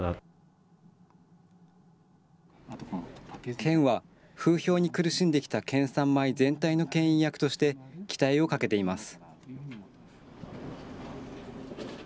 県は、風評に苦しんできた県産米全体のけん引役として、期待をかけています。